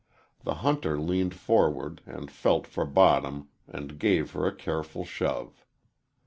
The hunter leaned forward and felt for bottom and gave her a careful shove.